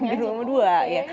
saya punya dua